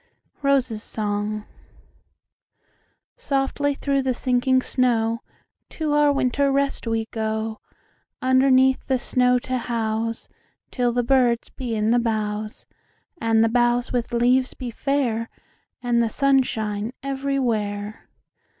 ROSES' SONG"SOFTLY sinking through the snow, To our winter rest we go, Underneath the snow to houseTill the birds be in the boughs, And the boughs with leaves be fair, And the sun shine everywhere.